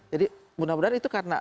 jadi mudah mudahan itu karena